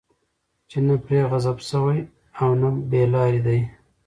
چې نه پرې غضب شوی، او نه بې لاري دي